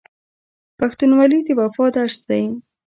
پښتونولي د وفا درس دی.